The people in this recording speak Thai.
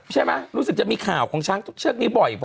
ใช่ไหมรู้สึกจะมีข่าวของช้างทุกเชือกนี้บ่อยพอ